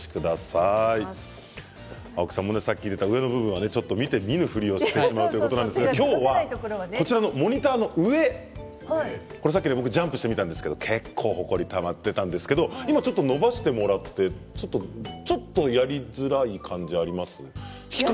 青木さんもさっき言っていた上の部分は見て見ぬふりをするということですが今日はモニターの上さっき僕ジャンプしてみたんですが結構ほこりがたまっていたんですが、今ちょっと伸ばしてもらってちょっとやりづらい感じがありますか？